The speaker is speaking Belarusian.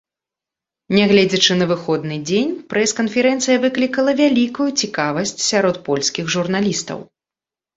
Нягледзячы на выходны дзень, прэс-канферэнцыя выклікала вялікую цікавасць сярод польскіх журналістаў.